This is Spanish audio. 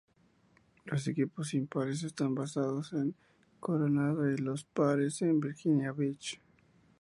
Los equipos impares están basados en Coronado y los pares en Virginia Beach.